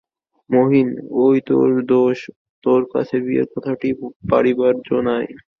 মহিন, ঐ তোর দোষ, তোর কাছে বিয়ের কথাটি পাড়িবার জো নাই।